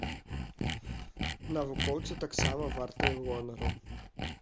Навукоўцы таксама вартыя гонару.